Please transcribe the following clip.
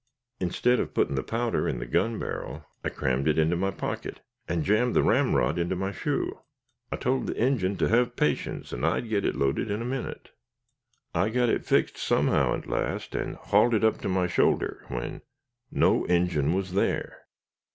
Instead of putting the powder in the gun barrel, I crammed it in my pocket, and jammed the ramrod into my shoe. I told the Injin to have patience and I'd get it loaded in a minute. I got it fixed somehow at last and hauled it up to my shoulder, when, no Injin was there!